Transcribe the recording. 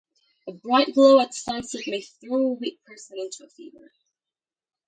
A bright glow at sunset may throw a weak person into a fever.